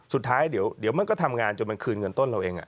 สุดท้ายเดี๋ยวมันก็ทำงานจนมันคืนเงินต้นเราเอง